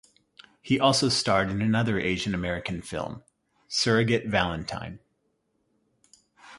He also starred in another Asian American film "Surrogate Valentine".